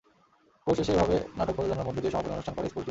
Course শেষে এভাবে নাটক প্রযোজনার মধ্য দিয়ে সমাপনী অনুষ্ঠান করে স্কুলটি।